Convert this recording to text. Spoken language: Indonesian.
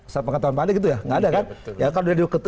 setelah pengetahuan pada gitu ya tidak ada kan